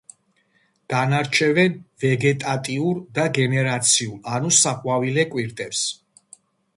განარჩევენ ვეგეტატიურ და გენერაციულ ანუ საყვავილე კვირტებს.